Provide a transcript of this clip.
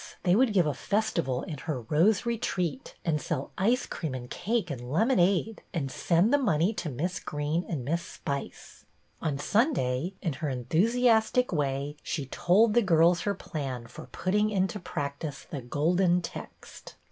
they would give a festival in her Rose Retreat and sell ice cream and cake and lemonade, and send the money to Miss Greene and Miss Spice. On Sunday, in her enthusiastic way, she told the girls her plan for putting into prac tice the golden text.